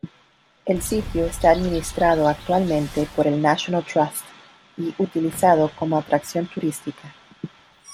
El sitio está administrado actualmente por el National Trust y utilizado como atracción turística.